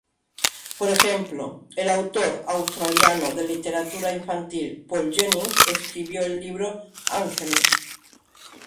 Por ejemplo, el autor australiano de literatura infantil Paul Jennings, escribió el libro "Uncanny!